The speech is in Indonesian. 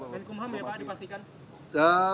menkumham ya pak dipastikan